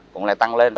cũng lại tăng lên